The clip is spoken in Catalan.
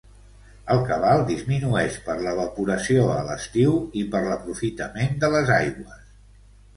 El cabal disminueix per l'evaporació a l'estiu i per l'aprofitament de les aigües.